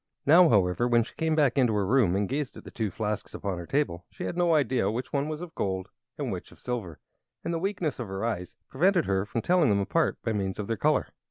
Now, however, when she came back into her room and gazed at the two flasks upon her table, she had no idea which one was of gold and which of silver, for the weakness of her eyes prevented her from telling them apart by means of their color.